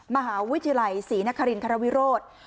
มหาวิทยาลัยศรีนครินทรวิโรธ